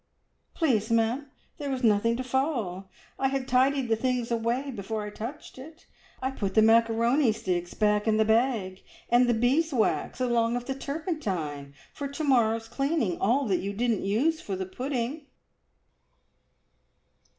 "Please, ma'am, there was nothing to fall. I had tidied the things away before I touched it. I put the macaroni sticks back in the bag and the beeswax along of the turpentine for to morrow's cleaning all that you didn't use for the pudding."